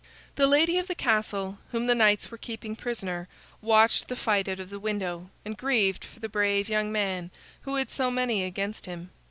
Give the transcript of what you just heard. The lady of the castle, whom the knights were keeping prisoner, watched the fight out of the window, and grieved for the brave young man who had so many against him.